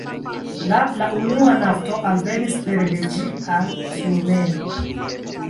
La la unua nafto alvenis pere de ĝi al Tjumeno.